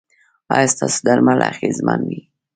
ایا ستاسو درمل اغیزمن وو؟